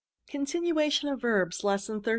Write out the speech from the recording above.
CONTINUATION OF VERBS. Lesson XIII.